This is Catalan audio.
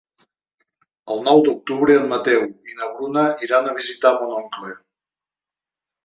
El nou d'octubre en Mateu i na Bruna iran a visitar mon oncle.